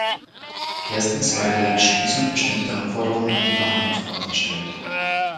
Erstens, weil die Entschließung bestimmte Anforderungen an die Verhandlungspartner stellt.